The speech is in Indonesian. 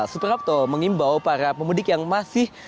suprapto mengimbau para pemudik yang masih